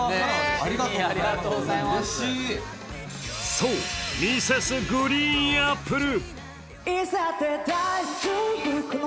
そう、Ｍｒｓ．ＧＲＥＥＮＡＰＰＬＥ。